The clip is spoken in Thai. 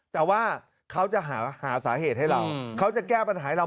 แต่ว่าเขาจะหาสาเหตุให้เราเขาจะแก้ปัญหาให้เรา